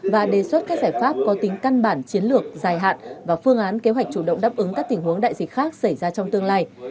và đề xuất các giải pháp có tính căn bản chiến lược dài hạn và phương án kế hoạch chủ động đáp ứng các tình huống đại dịch khác xảy ra trong tương lai